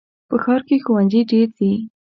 په ښار کې ښوونځي ډېر دي.